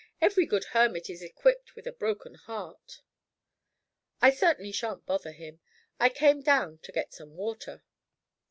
"Every good hermit is equipped with a broken heart. I certainly shan't bother him. I came down to get some water."